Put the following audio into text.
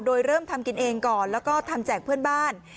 โดยเริ่มทำกินเองก่อนแล้วก็ทำแจกเพื่อนบ้าน